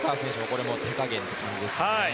これもう手加減って感じですね。